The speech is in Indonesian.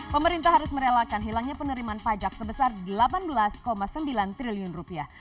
pemerintah harus merelakan hilangnya penerimaan pajak sebesar delapan belas sembilan triliun rupiah